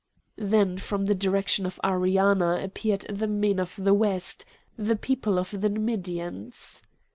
Then from the direction of Ariana appeared the men of the West, the people of the Numidians.